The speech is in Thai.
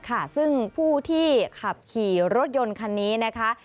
ค่ะซึ่งผู้ที่ขับขี่รถยนต์คันนี้นะคะ